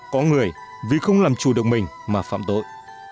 có người vì không làm chủ được mình mà phạm tội